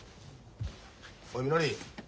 おいみのり。